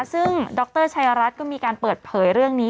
ซึ่งดรชัยรัฐก็มีการเปิดเผยเรื่องนี้